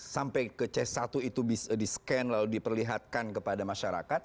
sampai ke c satu itu bisa di scan lalu diperlihatkan kepada masyarakat